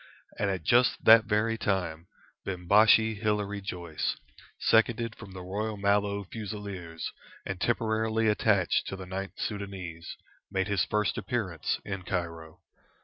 And just at that very time, Bimbashi Hilary Joyce, seconded from the Royal Mallow Fusiliers, and temporarily attached to the Ninth Soudanese, made his first appearance in Cairo.